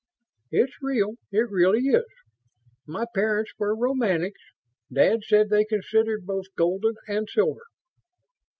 "It's real; it really is. My parents were romantics: dad says they considered both 'Golden' and 'Silver'!"